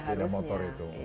sepeda motor itu